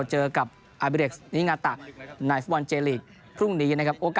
เจอกับอาร์วิเล็กส์นิงาตานายฟุบอลเจลีก